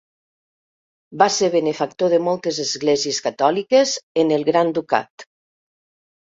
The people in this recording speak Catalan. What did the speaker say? Va ser benefactor de moltes esglésies catòliques en el Gran Ducat.